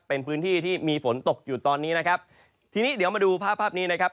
เป็นพื้นที่ที่มีฝนตกอยู่ตอนนี้นะครับทีนี้เดี๋ยวมาดูภาพภาพนี้นะครับ